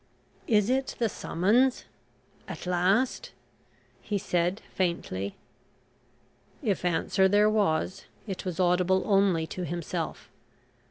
"Is it the summons at last?" he said, faintly. If answer there was, it was audible only to himself.